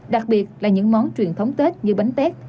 đặc biệt là những món truyền thống tết như bánh tét